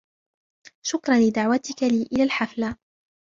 شكراً لدعوتكِ لي إلى الحفلة.